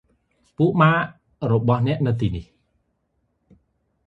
ពួកម៉ាករបស់អ្នកនៅទីនេះ។